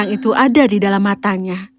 dan bintang itu ada di dalam matanya